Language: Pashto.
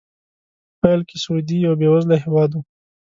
په پیل کې سعودي یو بې وزله هېواد و.